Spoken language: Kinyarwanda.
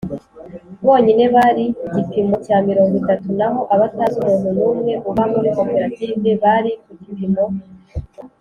bonyine bari gipimo cya mirongo itatu naho abatazi umuntu n umwe uba muri koperative bari ku gipimo